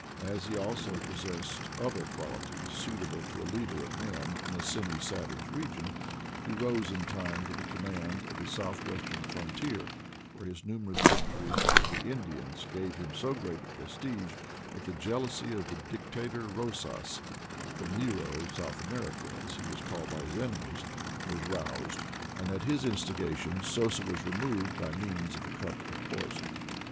As he also possessed other qualities suitable to a leader of men in a semi savage region, he rose in time to the command of the southwestern frontier, where his numerous victories over the Indians gave him so great a prestige that the jealousy of the Dictator Bosas — the Nero of South America, as he was called by his enemies — was roused, and at his instigation Sosa was removed by means of a cup of poison.